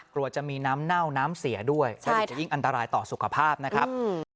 กลัวจะมีน้ำเน่าน้ำเสียด้วยแล้วเดี๋ยวจะยิ่งอันตรายต่อสุขภาพนะครับ